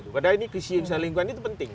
padahal ini krisis lingkungan itu penting